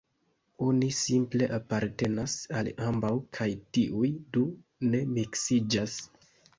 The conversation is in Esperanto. Oni simple apartenas al ambaŭ kaj tiuj du ne miksiĝas.